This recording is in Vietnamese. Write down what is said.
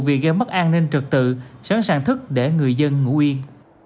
vì gây mất an ninh trật tự sẵn sàng thức để người dân ngủ yên